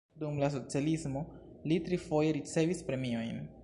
Dum la socialismo li trifoje ricevis premiojn.